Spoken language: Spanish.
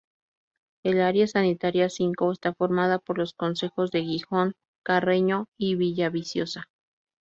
El Área Sanitaria V está formada por los concejos de Gijón, Carreño y Villaviciosa.